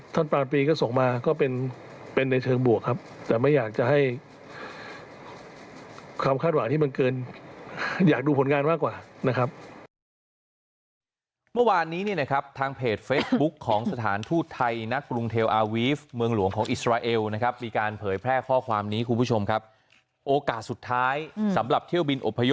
ท่านบำกราชปีส่งมาซะเป็นในเชิงบวกครับแต่ไม่อยากจะให้